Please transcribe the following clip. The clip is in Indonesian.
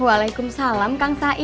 waalaikumsalam kang sain